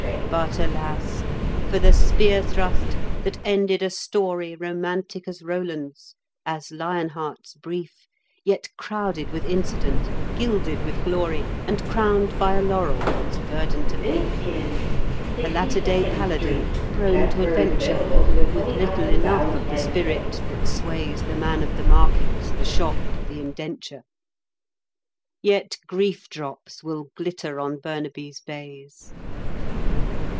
But alas! for the spear thrust that ended a story Romantic as Roland's, as Lion Heart's brief Yet crowded with incident, gilded with glory And crowned by a laurel that's verdant of leaf. A latter day Paladin, prone to adventure, With little enough of the spirit that sways The man of the market, the shop, the indenture! Yet grief drops will glitter on Burnaby's bays.